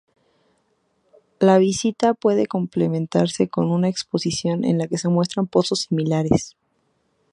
La visita puede complementarse con una exposición en la que se muestran pozos similares.